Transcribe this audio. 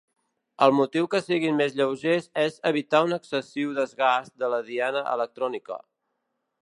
El motiu que siguin més lleugers és evitar un excessiu desgast de la diana electrònica.